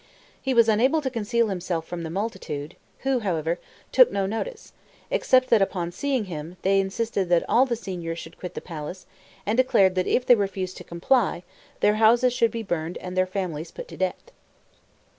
He was unable to conceal himself from the multitude, who, however, took no notice, except that, upon seeing him, they insisted that all the Signors should quit the palace, and declared that if they refused to comply, their houses should be burned and their families put to death.